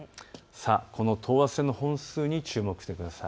この等圧線の本数に注目してください。